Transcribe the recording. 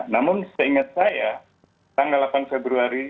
namun seingat saya tanggal delapan februari